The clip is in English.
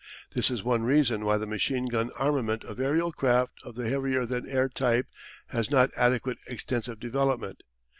This is one reason why the machine gun armament of aerial craft of the heavier than air type has not undergone extensive development.